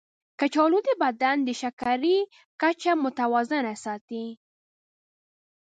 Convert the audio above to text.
کچالو د بدن د شکرې کچه متوازنه ساتي.